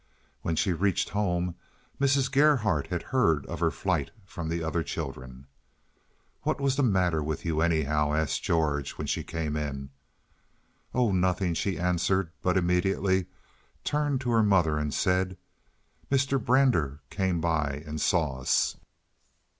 When she reached home Mrs. Gerhardt had heard of her flight from the other children. "What was the matter with you, anyhow?" asked George, when she came in. "Oh, nothing," she answered, but immediately turned to her mother and said, "Mr. Brander came by and saw us."